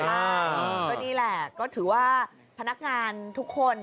ใช่ตอนนี้แหละก็ถือว่าพนักงานทุกคน